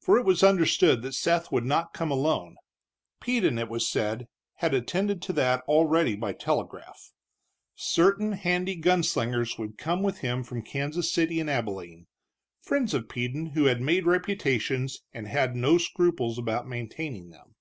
For it was understood that Seth would not come alone. Peden, it was said, had attended to that already by telegraph. Certain handy gun slingers would come with him from Kansas City and Abilene, friends of Peden who had made reputations and had no scruples about maintaining them.